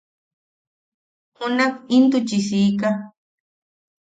Junak intuchi siika.